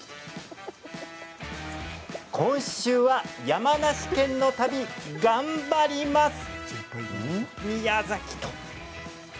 今週は山梨県の旅がんばります！